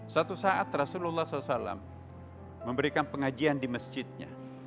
satu saat rasulullah saw memberikan pengajian di masjidnya